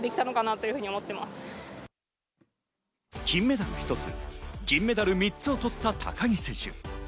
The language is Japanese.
金メダル１つ、銀メダル３つを取った高木選手。